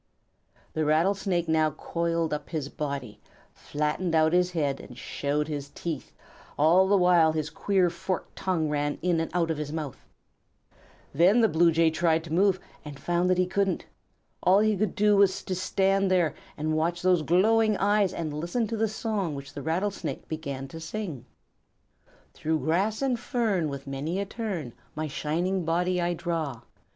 The Rattlesnake now coiled up his body, flattened out his head, and showed his teeth, while all the time his queer forked tongue ran in and out of his mouth. Then the young Blue Jay tried to move and found that he couldn't. All he could do was to stand there and watch those glowing eyes and listen to the song which the Rattlesnake began to sing: "Through grass and fern, With many a turn, My shining body I draw.